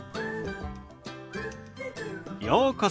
ようこそ。